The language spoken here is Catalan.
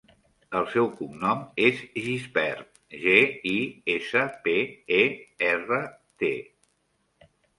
El seu cognom és Gispert: ge, i, essa, pe, e, erra, te.